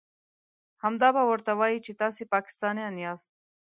همدا به ورته وايئ چې تاسې پاکستانيان ياست.